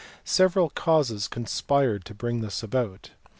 Several causes conspired to bring this about.